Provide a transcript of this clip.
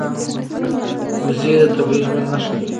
وزې د طبیعي ژوند نښه ده